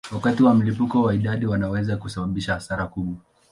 Wakati wa mlipuko wa idadi wanaweza kusababisha hasara kubwa.